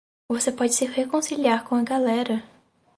Você pode se reconciliar com a galera.